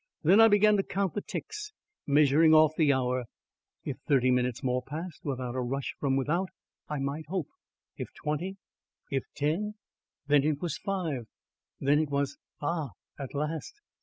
Then I began to count the ticks measuring off the hour. If thirty minutes more passed without a rush from without, I might hope. If twenty? if ten? then it was five! then it was Ah, at last!